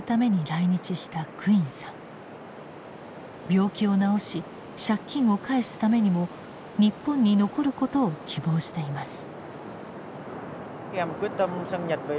病気を治し借金を返すためにも日本に残ることを希望しています。